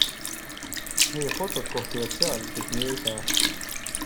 Meie fotod kohtuvad seal, kus meie ei saa.